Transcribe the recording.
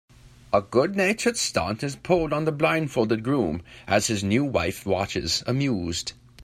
A goodnatured stunt is pulled on the blindfolded groom, as his new wife watches, amused.